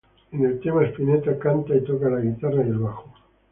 En el tema Spinetta canta y toca la guitarra y el bajo.